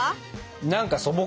何か素朴。